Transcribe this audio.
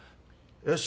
よし。